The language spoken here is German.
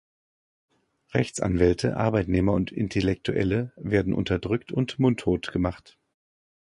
Rechtsanwälte, Arbeitnehmer und Intellektuelle werden unterdrückt und mundtot gemacht.